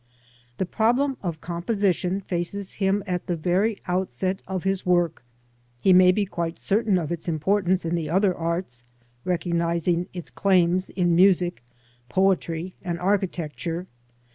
The problem of composition faces him at the very outset of his work ; he may be quite certain of its importance in the other arts, recognising its claims in Music, Poetry, and Architecture.